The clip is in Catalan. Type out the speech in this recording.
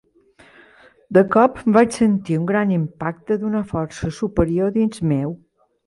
De cop, vaig sentir un gran impacte d'una força superior dins meu.